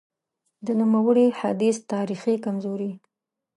د نوموړي حدیث تاریخي کمزوري :